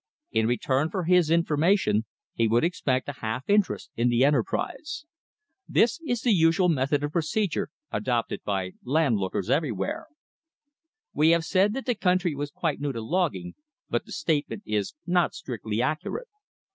In return for his information, he would expect a half interest in the enterprise. This is the usual method of procedure adopted by landlookers everywhere. We have said that the country was quite new to logging, but the statement is not strictly accurate.